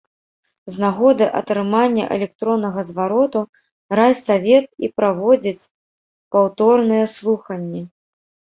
З нагоды атрымання электроннага звароту райсавет і праводзіць паўторныя слуханні.